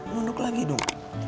nunduk lagi dong